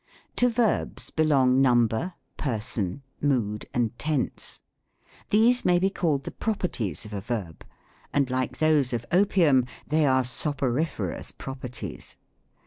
To verbs belong Number, Person, Mood, and Tense. These may be called the properties of a verb ; and like those of opium, they are soporiferous properties.